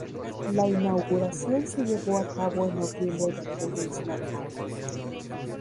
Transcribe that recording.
La inauguración se llevó a cabo en noviembre de aquel mismo año.